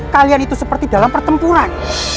kalian itu seperti dalam pertempuran